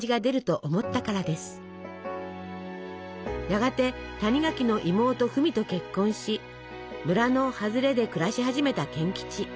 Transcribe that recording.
やがて谷垣の妹フミと結婚し村の外れで暮らし始めた賢吉。